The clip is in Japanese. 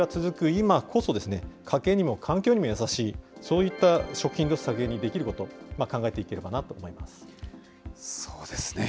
今こそ、家計にも環境にも優しい、そういった食品ロス削減にできること、考えていければなと思いまそうですね。